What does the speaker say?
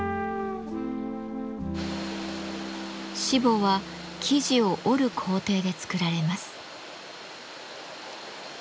しぼは生地を織る工程で作られます。